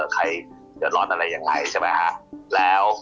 ใครเดือดร้อนอะไรอย่างไรใช่ไหมครับ